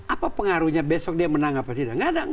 apa pengaruhnya besok dia menang apa tidak